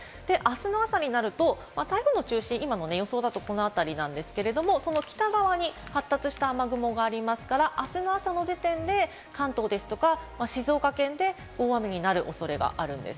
あすの朝になると、台風の中心、今の予想だと、この辺りなんですけれども、その北側に発達した雨雲がありますから、あすの朝の時点で関東ですとか、静岡県で大雨になる恐れがあるんです。